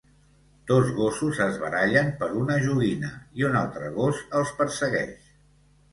Dos gossos es barallen per una joguina i un altre gos els persegueix.